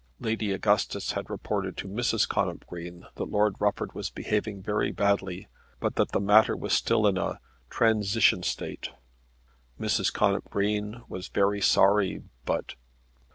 Lady Augustus had reported to Mrs. Connop Green that Lord Rufford was behaving very badly, but that the matter was still in a "transition state." Mrs. Connop Green was very sorry, but